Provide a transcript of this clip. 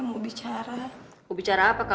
makhluk bayar engkau